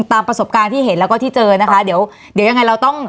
ตามประสบการณ์ที่เห็นแล้วก็ที่เจอนะคะเดี๋ยวเดี๋ยวยังไงเราต้อง